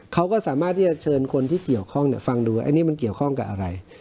เขาก็สามารถที่จะเชิญคนที่เกี่ยวข้องฟังดูอันนี้มันเกี่ยวข้องกับอะไร